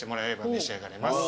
召し上がれます。